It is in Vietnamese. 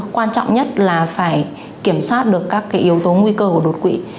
quan trọng nhất là phải kiểm soát được các yếu tố nguy cơ của đột quỵ